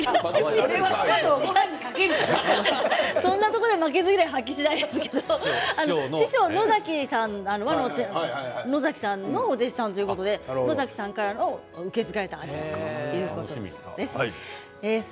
そんなところで負けず嫌いを発揮しないですけれども師匠の野崎さんのお弟子さんということで受け継がれた味ということです。